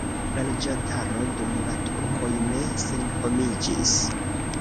La loĝantaro dum la turkoj ne senhomiĝis.